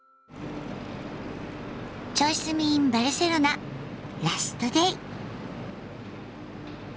「チョイ住みｉｎバルセロナ」ラストデイ！